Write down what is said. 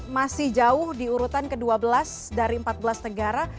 masih jauh di urutan ke dua belas dari empat belas negara